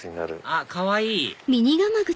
あっかわいい！